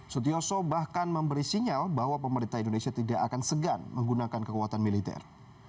sutioso bahkan memberi sinyal bahwa pemerintah indonesia tidak akan segan menggunakan kekuatan militer